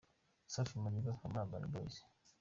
Safi Madiba kuva muri Urban Boys .